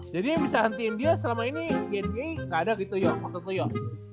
jadi bisa hentiin dia selama ini di nba ga ada gitu yuk maksud lu yuk